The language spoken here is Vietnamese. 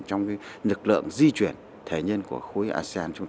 trong lực lượng di chuyển thể nhân của khối asean chúng ta